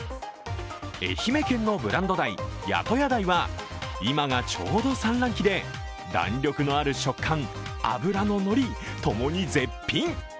愛媛県のブランド鯛、八十八鯛は今がちょうど産卵期で弾力のある食感、脂のノリ、ともに絶品。